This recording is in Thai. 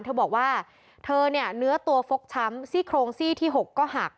เธอบอกว่าเธอเนี่ยเนื้อตัวฟกช้ำซี่โครงซี่ที่๖ก็หัก